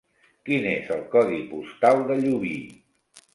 Quin és el codi postal de Llubí?